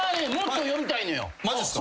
マジっすか？